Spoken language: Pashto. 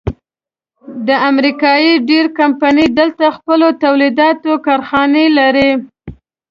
د امریکې ډېرۍ کمپنۍ دلته خپلو تولیداتو ته کارخانې لري.